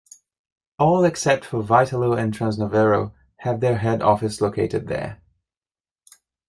All except for Vitalo and Trans Novero have their head-office located there.